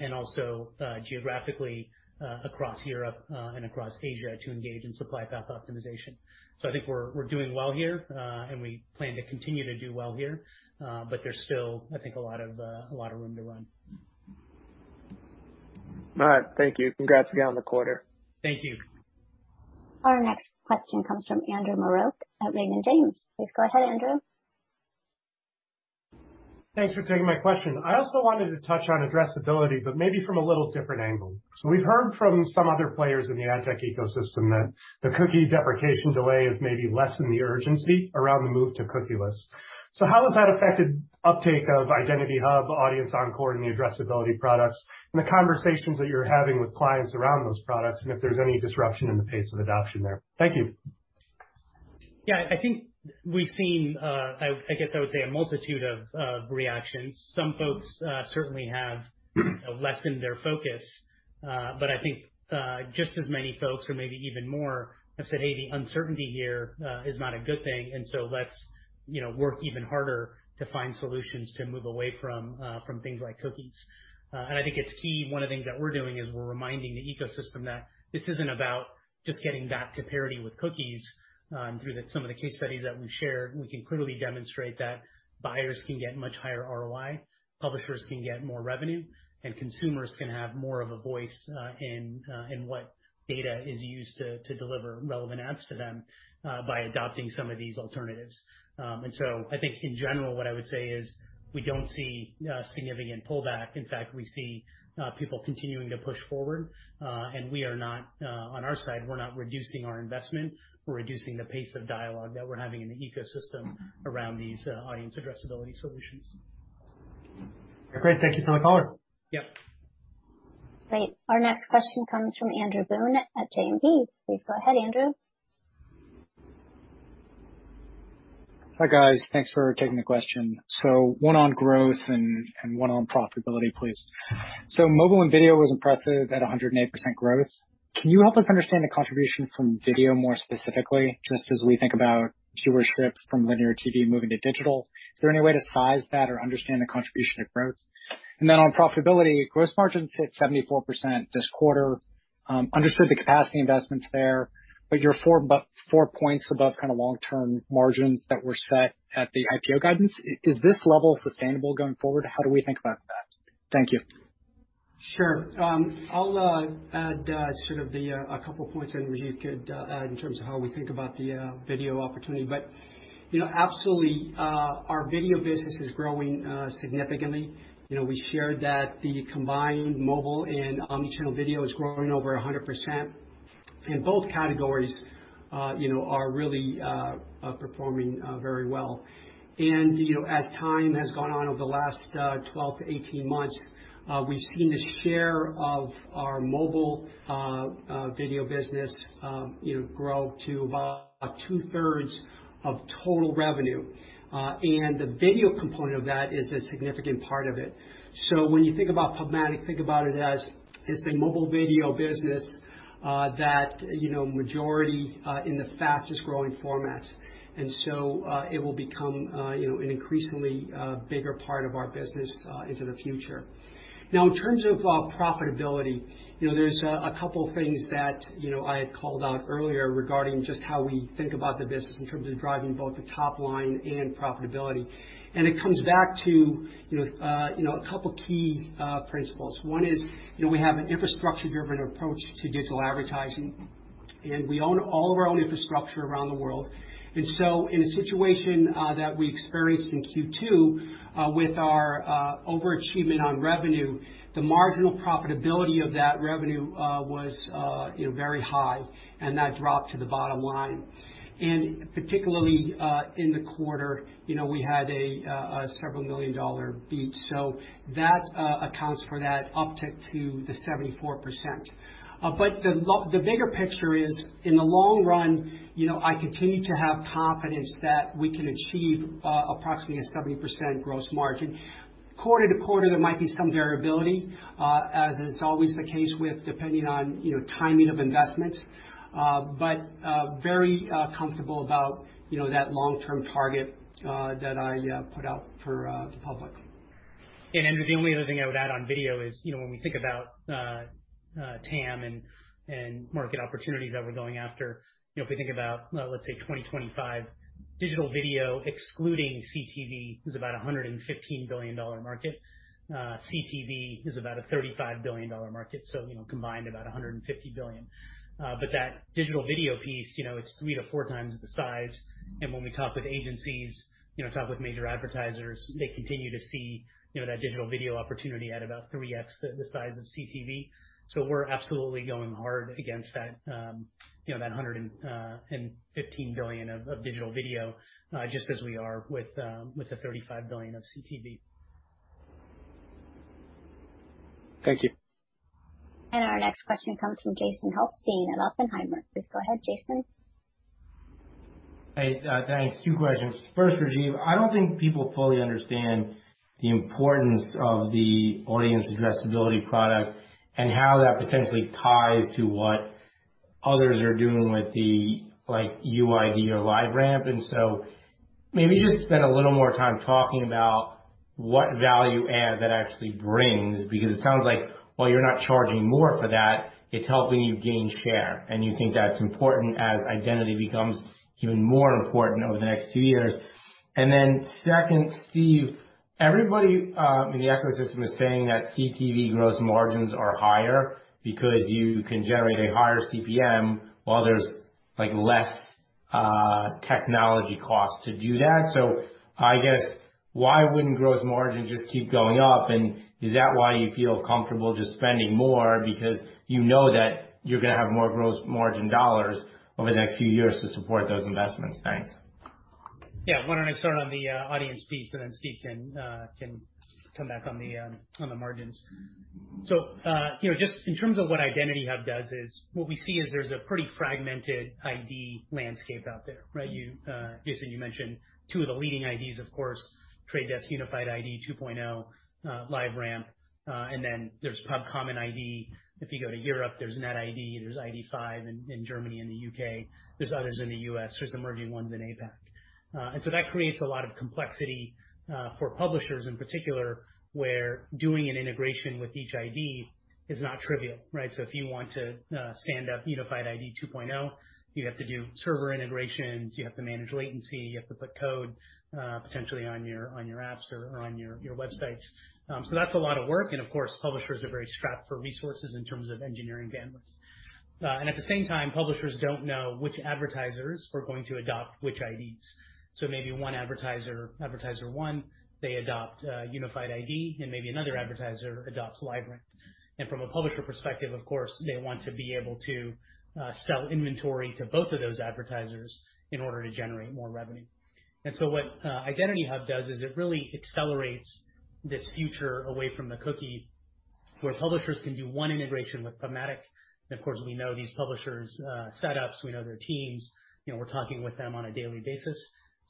and also geographically across Europe and across Asia to engage in supply path optimization. I think we're doing well here, and we plan to continue to do well here. There's still, I think, a lot of room to run. All right. Thank you. Congrats again on the quarter. Thank you. Our next question comes from Andrew Marok at Raymond James. Please go ahead, Andrew. Thanks for taking my question. I also wanted to touch on addressability, but maybe from a little different angle. We've heard from some other players in the ad tech ecosystem that the cookie deprecation delay has maybe lessened the urgency around the move to cookieless. How has that affected uptake of Identity Hub, Audience Encore, and the addressability products, and the conversations that you're having with clients around those products, and if there's any disruption in the pace of adoption there? Thank you. Yeah, I think we've seen, I guess I would say, a multitude of reactions. Some folks certainly have lessened their focus. I think just as many folks, or maybe even more, have said, "Hey, the uncertainty here is not a good thing, and so let's work even harder to find solutions to move away from things like cookies." I think it's key. One of the things that we're doing is we're reminding the ecosystem that this isn't about just getting back to parity with cookies. Through some of the case studies that we've shared, we can clearly demonstrate that buyers can get much higher ROI, publishers can get more revenue, and consumers can have more of a voice in what data is used to deliver relevant ads to them by adopting some of these alternatives. I think in general what I would say is we don't see a significant pullback. In fact, we see people continuing to push forward. We are not, on our side, we're not reducing our investment. We're reducing the pace of dialogue that we're having in the ecosystem around these audience addressability solutions. Great. Thank you for the color. Yep. Great. Our next question comes from Andrew Boone at JMP Securities. Please go ahead, Andrew. Hi, guys. Thanks for taking the question. One on growth and one on profitability, please. Mobile and video was impressive at 108% growth. Can you help us understand the contribution from video more specifically, just as we think about viewership from linear TV moving to digital? Is there any way to size that or understand the contribution to growth? On profitability, gross margins hit 74% this quarter. Understand the capacity investments there, but you're four points above kind of long-term margins that were set at the IPO guidance. Is this level sustainable going forward? How do we think about that? Thank you. Sure. I'll add sort of a couple of points, Andrew, you could add in terms of how we think about the video opportunity. Absolutely, our video business is growing significantly. We shared that the combined mobile and omni-channel video is growing over 100%. Both categories are really performing very well. As time has gone on over the last 12 to 18 months, we've seen the share of our mobile video business grow to about two-thirds. Of total revenue. The video component of that is a significant part of it. When you think about PubMatic, think about it as, it's a mobile video business that, majority in the fastest-growing formats. It will become an increasingly bigger part of our business into the future. Now, in terms of profitability, there's a couple of things that I had called out earlier regarding just how we think about the business in terms of driving both the top line and profitability. It comes back to a couple of key principles. One is, we have an infrastructure-driven approach to digital advertising, and we own all of our own infrastructure around the world. In a situation that we experienced in Q2 with our overachievement on revenue, the marginal profitability of that revenue was very high, and that dropped to the bottom line. Particularly, in the quarter, we had a several million-dollar beat. That accounts for that uptick to the 74%. The bigger picture is, in the long run, I continue to have confidence that we can achieve approximately a 70% gross margin. Quarter to quarter, there might be some variability, as is always the case with depending on timing of investments. Very comfortable about that long-term target that I put out for the public. Andrew, the only other thing I would add on video is, when we think about TAM and market opportunities that we're going after, if we think about, let's say 2025, digital video excluding CTV is about a $115 billion market. CTV is about a $35 billion market, so combined about $150 billion. That digital video piece, it's three to four times the size, and when we talk with agencies, talk with major advertisers, they continue to see that digital video opportunity at about 3x the size of CTV. We're absolutely going hard against that $115 billion of digital video, just as we are with the $35 billion of CTV. Thank you. Our next question comes from Jason Helfstein at Oppenheimer. Please go ahead, Jason. Hey, thanks. Two questions. First, Rajeev, I don't think people fully understand the importance of the audience addressability product and how that potentially ties to what others are doing with the, like, UID or LiveRamp. Maybe just spend a little more time talking about what value add that actually brings, because it sounds like while you're not charging more for that, it's helping you gain share. You think that's important as identity becomes even more important over the next few years. Second, Steve, everybody in the ecosystem is saying that CTV gross margins are higher because you can generate a higher CPM while there's less technology cost to do that. I guess why wouldn't gross margin just keep going up? Is that why you feel comfortable just spending more because you know that you're gonna have more gross margin dollars over the next few years to support those investments? Thanks. Yeah. Why don't I start on the audience piece, and then Steve Pantelick can come back on the margins. Just in terms of what Identity Hub does is, what we see is there's a pretty fragmented ID landscape out there, right? Jason Helfstein, you mentioned two of the leading IDs, of course, The Trade Desk Unified ID 2.0, LiveRamp, and then there's PubCommon ID. If you go to Europe, there's netID, there's ID5 in Germany and the U.K. There's others in the U.S., there's emerging ones in APAC. That creates a lot of complexity for publishers in particular, where doing an integration with each ID is not trivial, right? If you want to stand up Unified ID 2.0, you have to do server integrations, you have to manage latency, you have to put code, potentially on your apps or on your websites. That's a lot of work, and of course, publishers are very strapped for resources in terms of engineering bandwidth. At the same time, publishers don't know which advertisers are going to adopt which IDs. Maybe advertiser one, they adopt Unified ID and maybe another advertiser adopts LiveRamp. From a publisher perspective, of course, they want to be able to sell inventory to both of those advertisers in order to generate more revenue. What Identity Hub does is it really accelerates this future away from the cookie, where publishers can do one integration with PubMatic, and of course, we know these publishers' setups, we know their teams. We're talking with them on a daily basis.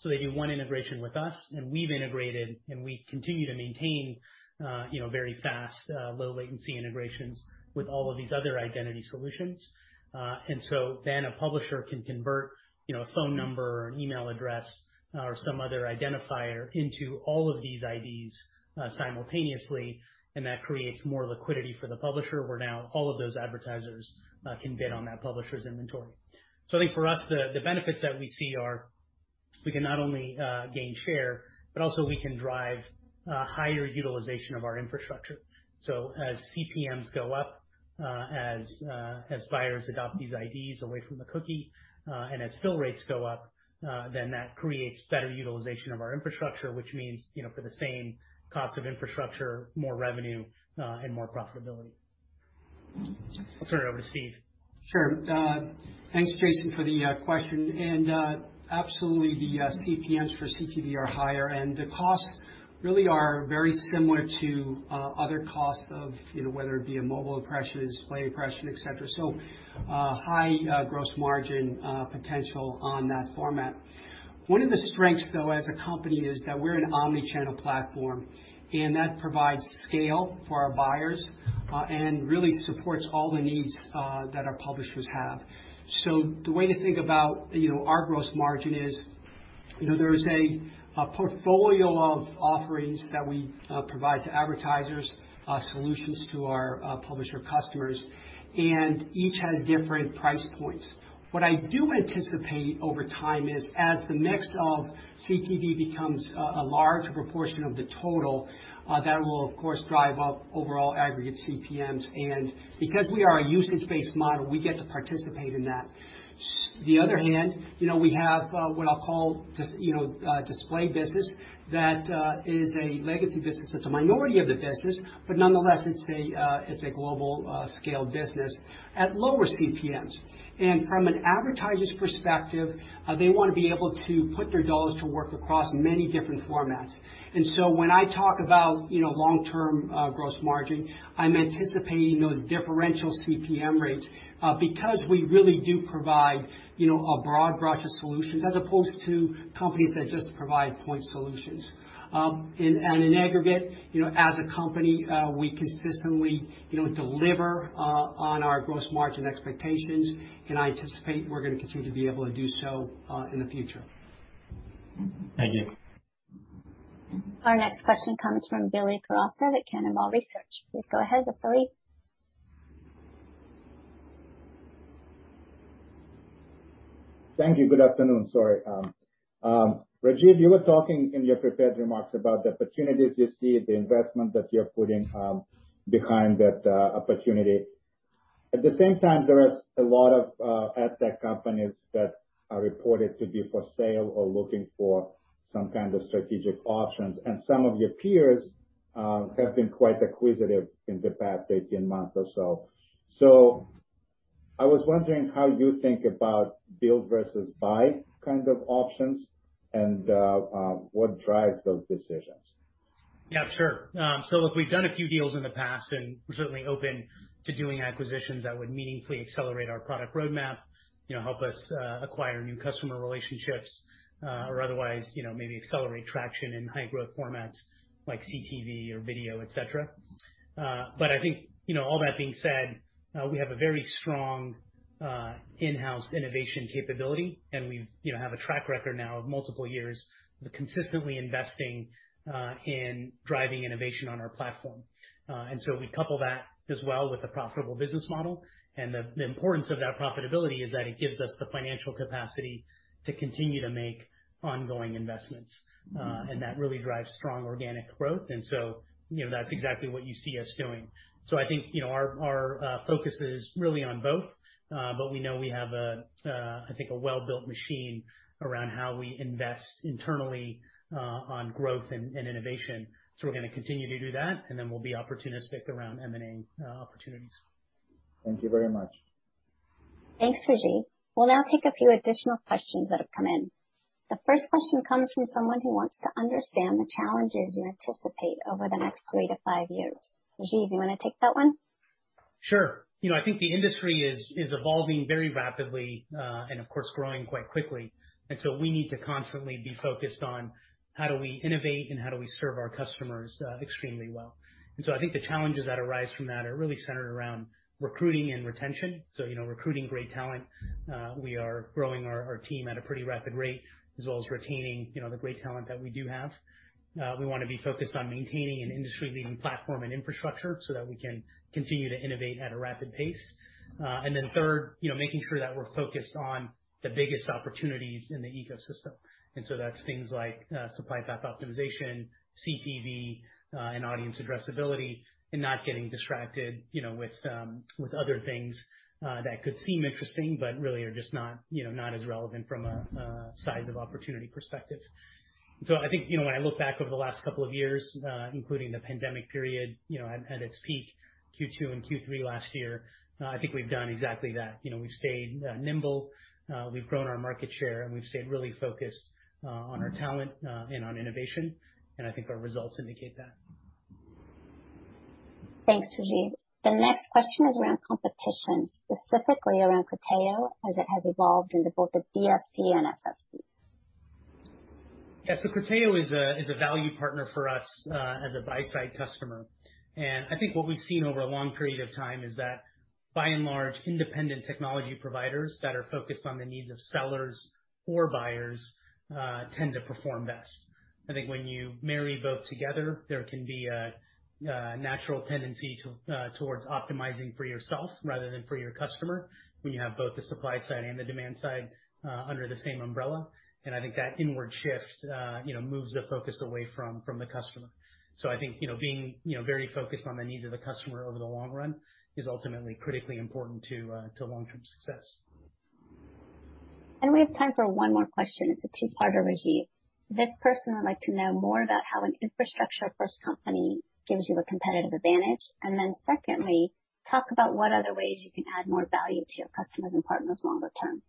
They do one integration with us, and we've integrated and we continue to maintain very fast, low-latency integrations with all of these other identity solutions. A publisher can convert a phone number or an email address or some other identifier into all of these IDs simultaneously, and that creates more liquidity for the publisher, where now all of those advertisers can bid on that publisher's inventory. I think for us, the benefits that we see are we can not only gain share, but also we can drive higher utilization of our infrastructure. As CPMs go up, as buyers adopt these IDs away from the cookie, and as fill rates go up, then that creates better utilization of our infrastructure, which means, for the same cost of infrastructure, more revenue, and more profitability. I'll turn it over to Steve. Sure. Thanks, Jason, for the question. Absolutely, the CPMs for CTV are higher, and the costs really are very similar to other costs of whether it be a mobile impression, display impression, et cetera. High gross margin potential on that format. One of the strengths, though, as a company is that we're an omni-channel platform, and that provides scale for our buyers and really supports all the needs that our publishers have. The way to think about our gross margin is, there is a portfolio of offerings that we provide to advertisers, solutions to our publisher customers, and each has different price points. What I do anticipate over time is as the mix of CTV becomes a larger proportion of the total, that will, of course, drive up overall aggregate CPMs. Because we are a usage-based model, we get to participate in that. The other hand, we have what I'll call display business. That is a legacy business. It's a minority of the business, but nonetheless, it's a global scale business at lower CPMs. From an advertiser's perspective, they want to be able to put their dollars to work across many different formats. When I talk about long-term gross margin, I'm anticipating those differential CPM rates because we really do provide a broad brush of solutions as opposed to companies that just provide point solutions. In aggregate, as a company, we consistently deliver on our gross margin expectations, and I anticipate we're going to continue to be able to do so in the future. Thank you. Our next question comes from Vasily Karasyov at Cannonball Research. Please go ahead, Vasily. Thank you. Good afternoon. Sorry. Rajeev, you were talking in your prepared remarks about the opportunities you see, the investment that you're putting behind that opportunity. At the same time, there is a lot of adtech companies that are reported to be for sale or looking for some kind of strategic options. Some of your peers have been quite acquisitive in the past 18 months or so. I was wondering how you think about build versus buy kind of options and what drives those decisions. Yeah, sure. We've done a few deals in the past, and we're certainly open to doing acquisitions that would meaningfully accelerate our product roadmap, help us acquire new customer relationships, or otherwise, maybe accelerate traction in high growth formats like CTV or video, et cetera. I think all that being said, we have a very strong in-house innovation capability, and we have a track record now of multiple years of consistently investing in driving innovation on our platform. We couple that as well with a profitable business model. The importance of that profitability is that it gives us the financial capacity to continue to make ongoing investments. That really drives strong organic growth. That's exactly what you see us doing. I think, our focus is really on both. We know we have, I think, a well-built machine around how we invest internally on growth and innovation. We're going to continue to do that, and then we'll be opportunistic around M&A opportunities. Thank you very much. Thanks, Rajeev. We'll now take a few additional questions that have come in. The first question comes from someone who wants to understand the challenges you anticipate over the next three to five years. Rajeev, you want to take that one? Sure. I think the industry is evolving very rapidly and of course, growing quite quickly. We need to constantly be focused on how do we innovate and how do we serve our customers extremely well. I think the challenges that arise from that are really centered around recruiting and retention. So recruiting great talent. We are growing our team at a pretty rapid rate, as well as retaining the great talent that we do have. We want to be focused on maintaining an industry-leading platform and infrastructure so that we can continue to innovate at a rapid pace. Third, making sure that we're focused on the biggest opportunities in the ecosystem. That's things like supply path optimization, CTV, and audience addressability, and not getting distracted with other things that could seem interesting, but really are just not as relevant from a size of opportunity perspective. I think when I look back over the last couple of years, including the pandemic period, at its peak, Q2 and Q3 last year, I think we've done exactly that. We've stayed nimble. We've grown our market share, and we've stayed really focused on our talent and on innovation, and I think our results indicate that. Thanks, Rajeev. The next question is around competition, specifically around Criteo as it has evolved into both a DSP and SSP. Criteo is a value partner for us as a buy-side customer. I think what we've seen over a long period of time is that by and large, independent technology providers that are focused on the needs of sellers or buyers tend to perform best. I think when you marry both together, there can be a natural tendency towards optimizing for yourself rather than for your customer when you have both the supply side and the demand side under the same umbrella. I think that inward shift moves the focus away from the customer. I think being very focused on the needs of the customer over the long run is ultimately critically important to long-term success. We have time for one more question. It's a two-parter, Rajeev. This person would like to know more about how an infrastructure-first company gives you a competitive advantage. Secondly, talk about what other ways you can add more value to your customers and partners longer term.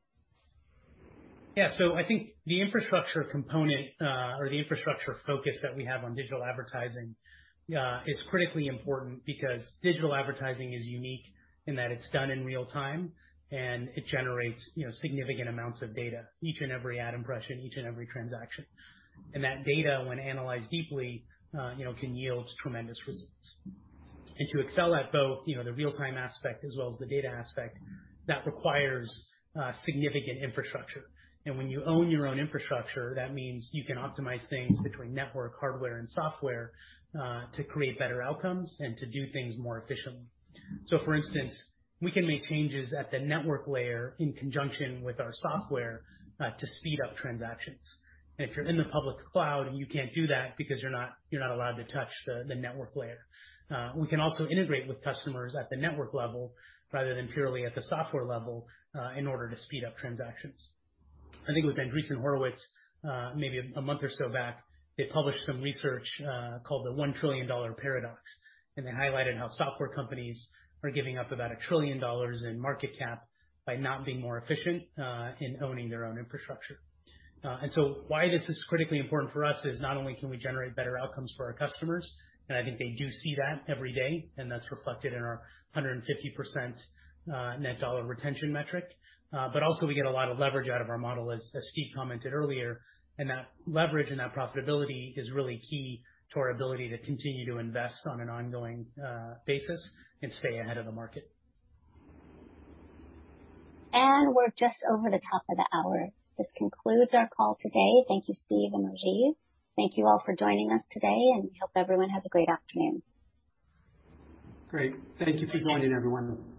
I think the infrastructure component or the infrastructure focus that we have on digital advertising is critically important because digital advertising is unique in that it's done in real-time and it generates significant amounts of data, each and every ad impression, each and every transaction. That data, when analyzed deeply can yield tremendous results. To excel at both the real-time aspect as well as the data aspect, that requires significant infrastructure. When you own your own infrastructure, that means you can optimize things between network hardware and software to create better outcomes and to do things more efficiently. For instance, we can make changes at the network layer in conjunction with our software to speed up transactions. If you're in the public cloud, you can't do that because you're not allowed to touch the network layer. We can also integrate with customers at the network level rather than purely at the software level in order to speed up transactions. I think it was Andreessen Horowitz, maybe a month or so back, they published some research called The $1 Trillion Paradox, and they highlighted how software companies are giving up about $1 trillion in market cap by not being more efficient in owning their own infrastructure. Why this is critically important for us is not only can we generate better outcomes for our customers, and I think they do see that every day, and that's reflected in our 150% net dollar retention metric. Also we get a lot of leverage out of our model, as Steve commented earlier, and that leverage and that profitability is really key to our ability to continue to invest on an ongoing basis and stay ahead of the market. We're just over the top of the hour. This concludes our call today. Thank you, Steve and Rajeev. Thank you all for joining us today, and we hope everyone has a great afternoon. Great. Thank you for joining, everyone.